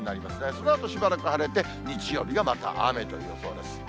そのあとしばらく晴れて、日曜日がまた雨という予想です。